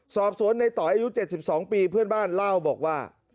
สอบสวนในต่อยอายุ๗๒ปีเพื่อนบ้านเล่าบอกว่า